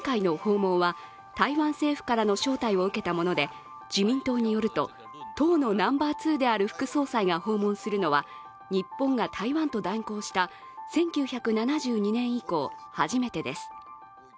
今回の訪問は台湾政府からの招待を受けたもので自民党によると、党のナンバーツーである副総裁が訪問するのは日本が台湾と断交した１９７２年以降、初めてです。